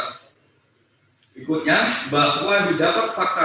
berikutnya bahwa didapat fakta